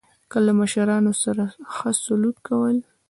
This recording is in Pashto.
له مشتريانو سره خه سلوک کول